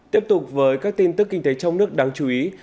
tiếp tục với các tin tức kinh tế trong nước đáng chú ý